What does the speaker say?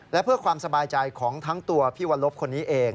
และเพื่อความสบายใจของทั้งตัวพี่วันลบคนนี้เอง